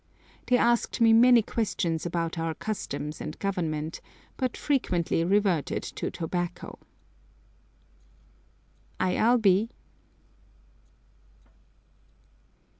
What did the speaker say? They asked me many questions about our customs and Government, but frequently reverted to tobacco. I. L. B.